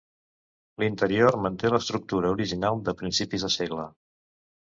L'interior manté l'estructura original de principis de segle.